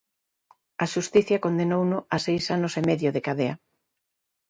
A xustiza condenouno a seis anos e medio de cadea.